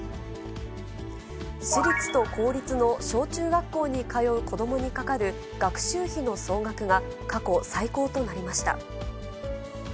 私立と公立の小中学校に通う子どもにかかる学習費の総額が、過去最高となりました。